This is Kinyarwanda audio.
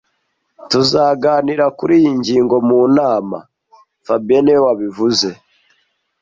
Tuzaganira kuri iyi ngingo mu nama fabien niwe wabivuze